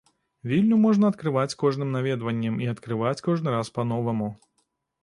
Вільню можна адкрываць з кожным наведваннем і адкрываць кожны раз па-новаму.